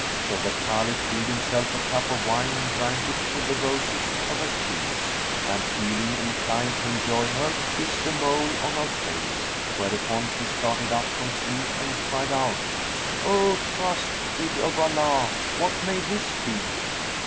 [FN#388] So the Caliph filled himself a cup of wine and drank it to the roses of her cheeks; and, feeling inclined to enjoy her, kissed a mole on her face, whereupon she started up from sleep, and cried out, "O Trusted of Allah,[FN#389] what may this be?"